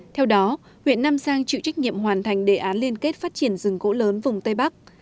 theo đó huyện nam giang chịu trách nhiệm hoàn thành đề án liên kết phát triển rừng gỗ lớn vùng tây bắc